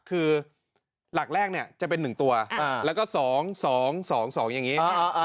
คือหลักแรกเนี่ยจะเป็น๑ตัวแล้วก็๒๒๒อย่างนี้